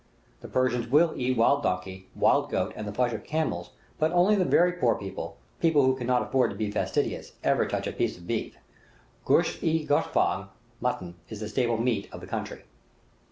The Persian will eat wild donkey, wild goat, and the flesh of camels, but only the very poor people people who cannot afford to be fastidious ever touch a piece of beef; gusht i goosfang (mutton) is the staple meat of the country.